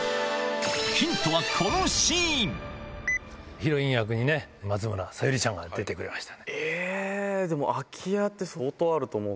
ヒロイン役に松村沙友理ちゃんが出てくれました。